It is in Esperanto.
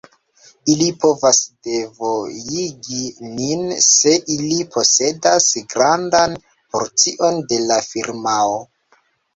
Ili povas devojigi nin se ili posedas grandan porcion de la firmao.